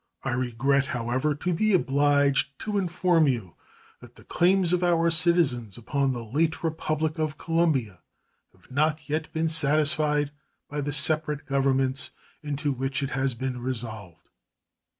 I regret, however, to be obliged to inform you that the claims of our citizens upon the late Republic of Colombia have not yet been satisfied by the separate Governments into which it has been resolved.